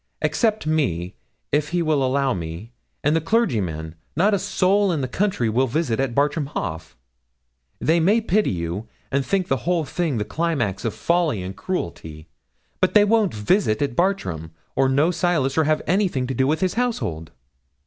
Except me, if he will allow me, and the clergyman, not a soul in the country will visit at Bartram Haugh. They may pity you, and think the whole thing the climax of folly and cruelty; but they won't visit at Bartram, or know Silas, or have anything to do with his household.'